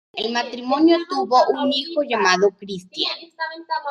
El matrimonio tuvo un hijo llamado Christian.